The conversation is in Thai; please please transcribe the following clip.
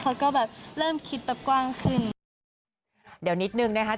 หนูก็จะแบบไปทำขนมดีกว่า